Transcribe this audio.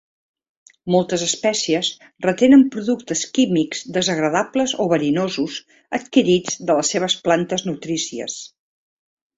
Moltes espècies retenen productes químics desagradables o verinosos adquirits de les seves plantes nutrícies.